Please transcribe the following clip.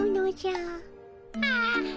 はあ？